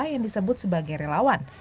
yang disebut sebagai relawan